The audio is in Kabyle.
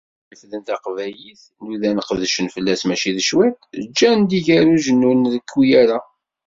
Imi refden Taqbaylit, nudan, qedcen fell-as mačči d cwiṭ, ǧǧan-d igerrujen ur nrekku ara.